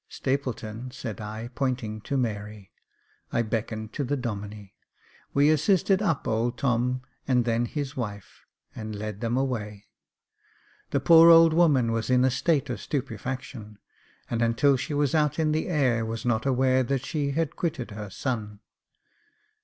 " Stapleton," said I, pointing to Mary. I beckoned to the Domine. We assisted up old Tom, and then his wife, and led them away ; the poor old woman was in a state of stupefaction, and until she was out in the air was not aware that she had quitted her son.